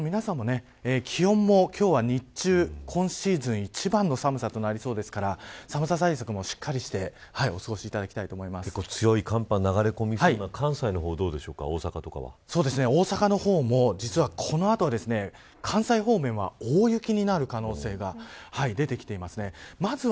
なので、関東の皆さんも気温も、今日は日中今シーズン一番の寒さとなりそうですから寒さ対策もしっかりしてお過ごしいただきたいと強い寒波が流れ込みそうな大阪の方も、実はこの後関西方面は大雪になる可能性が出てきています。